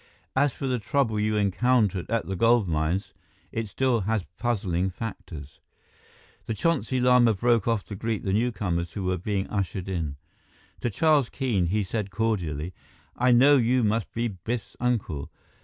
As for the trouble you encountered at the gold mines, it still has puzzling factors " The Chonsi Lama broke off to greet the newcomers who were being ushered in. To Charles Keene, he said cordially, "I know you must be Biff's uncle."